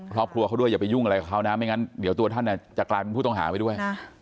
ครอบครัวเขาด้วยอย่าไปยุ่งอะไรกับเขานะไม่งั้นเดี๋ยวตัวท่านจะกลายเป็นผู้ต้องหาไปด้วย